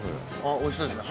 おいしそうですね。